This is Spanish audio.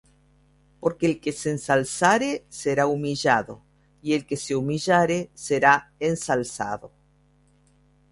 Porque el que se ensalzare, será humillado; y el que se humillare, será ensalzado.